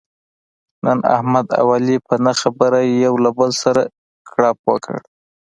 نن احمد او علي په نه خبره یو له بل سره کړپ وکړ.